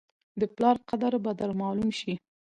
د پلار قدر به در معلوم شي !